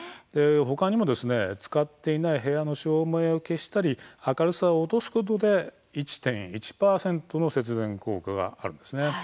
ほかにも、使っていない部屋の照明を消したり明るさを落とすことで１．１％の節電効果があるんですね。